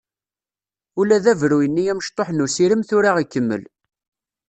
Ula d abruy-nni amecṭuḥ n usirem tura ikemmel.